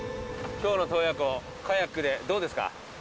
きょうの洞爺湖カヤックでどうですか？